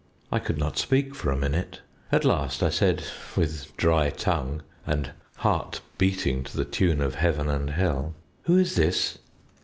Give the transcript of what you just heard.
I could not speak for a minute. At last I said, with dry tongue, and heart beating to the tune of heaven and hell "'Who is this?'